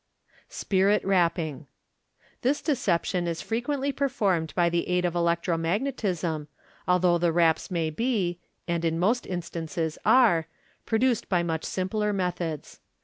Spirit Rapping. — This deception is frequently performed by the aid of electro magnetism, although the raps may be, and in most instances are, produced by much simpler methods.